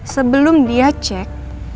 sebelum dia cek